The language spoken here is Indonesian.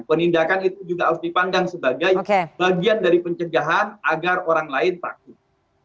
penindakan itu juga harus dipandang sebagai bagian dari pencegahan agar orang lain takut